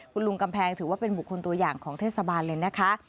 คุณลุงกำแพงถือว่าเป็นบุคคลตัวอย่างของเทศบาลเลยนะคะ